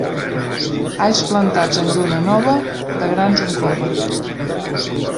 Alls plantats en lluna nova, de grans un cove.